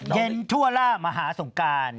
เย็นทั่วล่ามหาสงการ